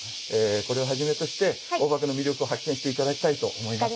これを始めとして黄檗の魅力を発見して頂きたいと思います。